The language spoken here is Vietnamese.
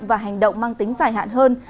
và hành động mang tính dài hạn hơn